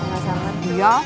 gak sangat dia